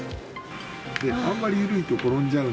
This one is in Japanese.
あんまり緩いと転んじゃうん